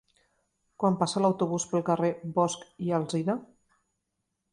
Quan passa l'autobús pel carrer Bosch i Alsina?